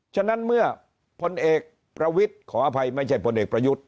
ฉะนั้นเมื่อพลเอกประวิทย์ขออภัยไม่ใช่พลเอกประยุทธ์